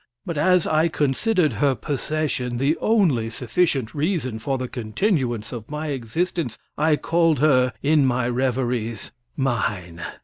But as I considered her possession the only sufficient reason for the continuance of my existence, I called her, in my reveries, mine.